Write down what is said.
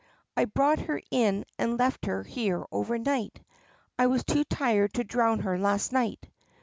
I brought her in and left her here overnight. I was too tired to drown her last night."